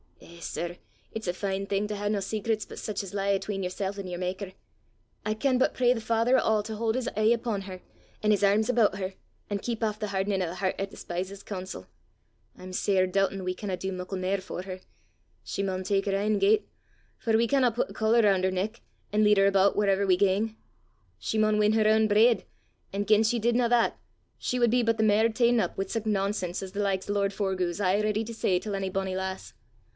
Eh, sir! it's a fine thing to hae nae sacrets but sic as lie 'atween yersel' an' yer makker! I can but pray the Father o' a' to haud his e'e upo' her, an' his airms aboot her, an' keep aff the hardenin' o' the hert 'at despises coonsel! I'm sair doobtin' we canna do muckle mair for her! She maun tak her ain gait, for we canna put a collar roon' her neck, an' lead her aboot whaurever we gang. She maun win her ain breid; an' gien she didna that, she wad be but the mair ta'en up wi' sic nonsense as the likes o' lord Forgue 's aye ready to say til ony bonnie lass.